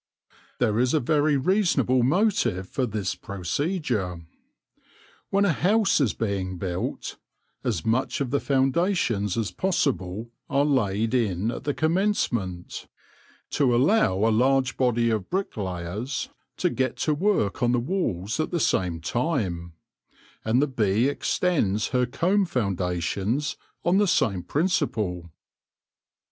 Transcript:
There is a very reasonable motive for this procedure. When a house is being built, as much of the founda tions as possible are laid in at the commencement, 148 THE LORE OF THE HONEY BEE to allow a large body of bricklayers to get to work on the walls at the same time ; and the bee extends her comb foundations on the same principle.